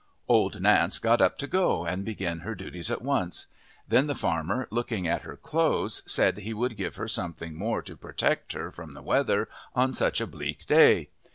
Old Nance got up to go and begin her duties at once. Then the farmer, looking at her clothes, said he would give her something more to protect her from the weather on such a bleak day.